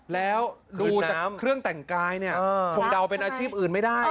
แล้วดูจากเครื่องแต่งกายเนี่ยคงเดาเป็นอาชีพอื่นไม่ได้